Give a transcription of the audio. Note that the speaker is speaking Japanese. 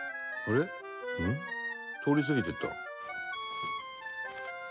通り過ぎていった」